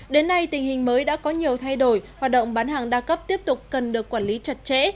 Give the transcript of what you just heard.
đến nay tình hình mới đã có nhiều thay đổi hoạt động bán hàng đa cấp tiếp tục cần được quản lý chặt chẽ